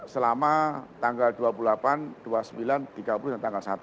selama tanggal dua puluh delapan dua puluh sembilan tiga puluh dan tanggal satu